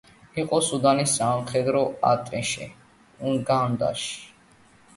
იყო სუდანის სამხედრო ატაშე უგანდაში.